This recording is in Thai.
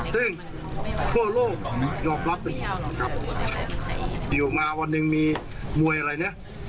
ซึ่งทั่วโลกยอมรับนะครับอยู่มาวันหนึ่งมีมวยอะไรเนี่ย